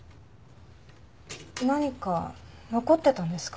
何か残ってたんですか？